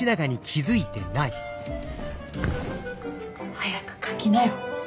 早く書きなよ